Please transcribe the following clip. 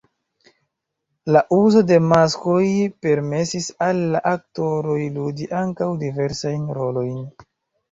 La uzo de maskoj permesis al la aktoroj ludi ankaŭ diversajn rolojn.